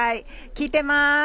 聞いてます。